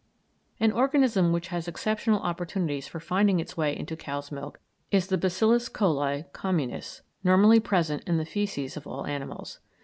An organism which has exceptional opportunities for finding its way into cows' milk is the Bacillus coli communis, normally present in the fæces of all animals.